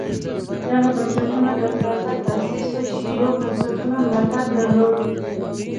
دغه بنسټونه د تازه تاسیس شویو بنسټونو ملاتړ درلود